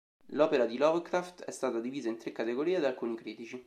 L'opera di Lovecraft è stata divisa in tre categorie da alcuni critici.